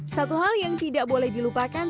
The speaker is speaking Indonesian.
satu hal yang tidak boleh dilupakan